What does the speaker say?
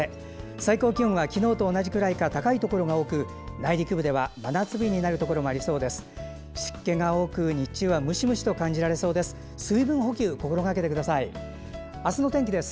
最高気温は昨日と同じくらいか高いところが多く内陸部では真夏日になるところもありそうです。